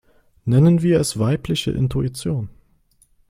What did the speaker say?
Nennen wir es weibliche Intuition.